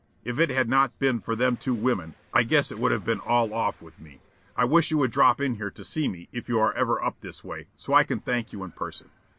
If it had not been for them two women I guess it would have been all off with me. I wish you would drop in here to see me if you are ever up this way so as I can thank you in person.